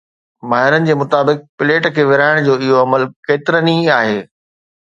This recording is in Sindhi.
ماهرن جي مطابق، پليٽ کي ورهائڻ جو اهو عمل ڪيترن ئي آهي